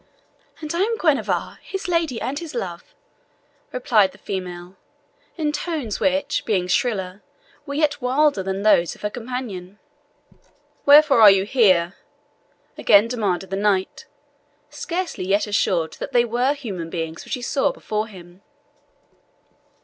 "And I am Guenevra, his lady and his love," replied the female, in tones which, being shriller, were yet wilder than those of her companion. "Wherefore are you here?" again demanded the knight, scarcely yet assured that they were human beings which he saw before him.